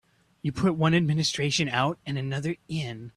You've put one administration out and another in.